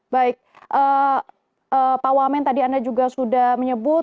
baik pak wamen tadi anda juga sudah menyebut